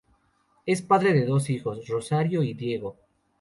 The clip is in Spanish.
Es padre de dos hijos, Rosario y Diego.